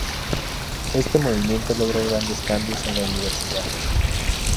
Este movimiento logra grandes cambios en la universidad.